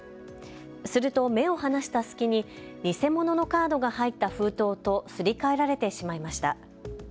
すると目を離した隙に偽物のカードが入った封筒とすり替えられてしまいました。